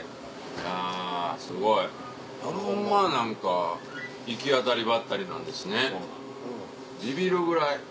いやすごいホンマ何か行き当たりばったりなんですねビビるぐらい。